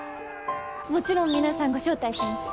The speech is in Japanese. もちろん皆さんご招待します。